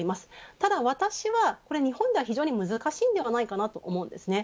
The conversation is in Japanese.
ただ、私は日本では非常に難しいんではないかなと思うんですね。